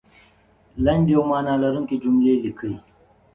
لنډې او معنا لرونکې جملې لیکئ